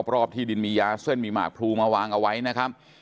รอบที่ดินมียาเส้นมีหมากพลูมาวางเอาไว้นะครับ